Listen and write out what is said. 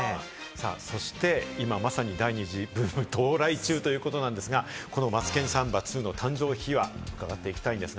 そして今、まさに第２次ブーム到来中ということですが、『マツケンサンバ２』の秘話を伺っていきたいと思います。